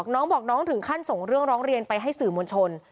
น้องบอกน้องถึงขั้นส่งเรื่องร้องเรียนไปให้สื่อมวลชน